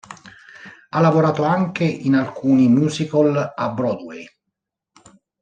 Ha lavorato anche in alcuni musical a Broadway.